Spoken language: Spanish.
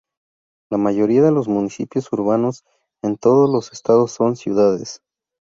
La mayoría de los municipios urbanos en todos los estados son "ciudades".